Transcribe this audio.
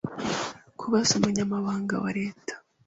kubaza Umunyamabanga wa Leta,